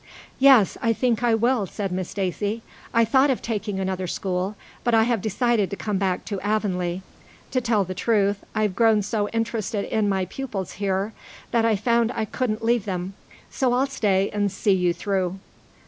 "Yes, I think I will," said Miss Stacy. "I thought of taking another school, but I have decided to come back to Avonlea. To tell the truth, I've grown so interested in my pupils here that I found I couldn't leave them. So I'll stay and see you through."